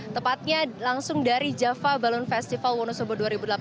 tepatnya langsung dari java balon festival wonosobo dua ribu delapan belas